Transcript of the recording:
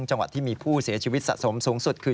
จังหวัดที่มีผู้เสียชีวิตสะสมสูงสุดคือ